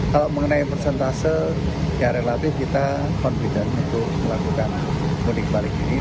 kalau mengenai persentase ya relatif kita confidence untuk melakukan mudik balik ini